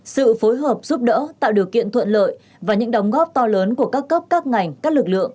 sự phối hợp giúp đỡ tạo điều kiện thuận lợi và những đóng góp to lớn của các cấp các ngành các lực lượng